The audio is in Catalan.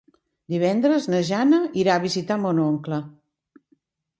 Divendres na Jana irà a visitar mon oncle.